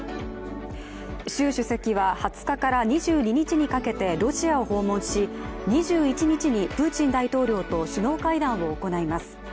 習主席は２０日から２２日にかけてロシアを訪問し、２１日にプーチン大統領と首脳会談を行います。